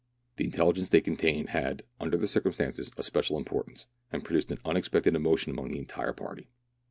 The intelligence they con tained had, under the circumstances, a special importance, and produced an unexpected emotion among the entire party.